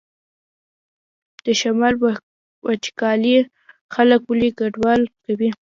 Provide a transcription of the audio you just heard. د شمال وچکالي خلک ولې کډوال کوي؟